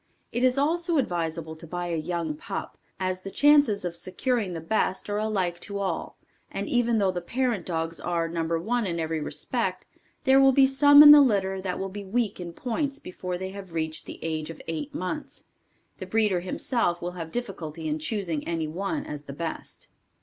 It is also advisable to buy a young pup as the chances of securing the best are alike to all, or even though the parent dogs are No. 1 in every respect, there will be some in the litter that will be weak in points before they have reached the age of eight months, the breeder himself will have difficulty in choosing any one as the best.